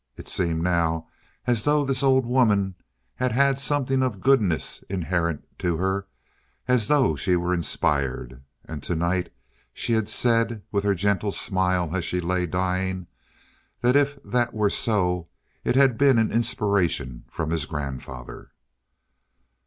It seemed now as though this old woman had had something of goodness inherent to her as though she were inspired? And tonight she had said, with her gentle smile as she lay dying, that if that were so it had been an inspiration from his grandfather.